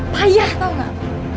payah tau gak